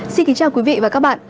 xin kính chào quý vị và các bạn